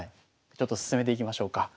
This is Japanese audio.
ちょっと進めていきましょうか。